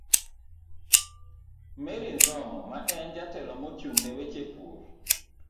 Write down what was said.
Mary Nzomo, ma en Jatelo mochung'ne weche pur